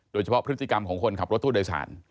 โดยเฉพาะพฤติกรรมของคนขับรถตู้โดยสาร